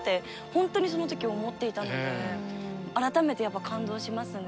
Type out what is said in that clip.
本当にそのとき思っていたので改めてやっぱ感動しますね。